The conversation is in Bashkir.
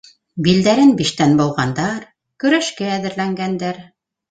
Билдәрен биштән быуғандар, көрәшкә әҙерләнгәндәр.